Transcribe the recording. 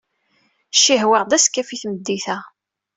Cihwaɣ-d askaf i tmeddit-a.